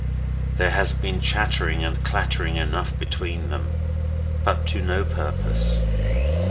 There has been chattering and clattering enough between them, but to no purpose.